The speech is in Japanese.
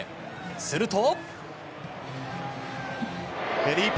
すると。